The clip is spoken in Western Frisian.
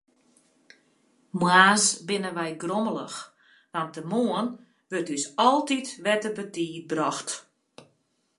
Moarns binne wy grommelich, want de moarn wurdt ús altyd wer te betiid brocht.